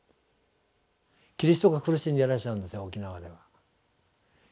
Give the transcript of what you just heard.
キリストが苦しんでいらっしゃるんですよ沖縄では。